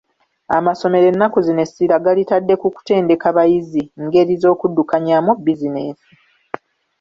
Amasomero ennaku zino essira galitadde ku kutendeka bayizi ngeri z'okuddukanyaamu bizinensi.